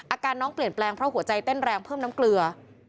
อาการน้องเปลี่ยนแปลงเพราะหัวใจเต้นแรงเพิ่มน้ำเกลือ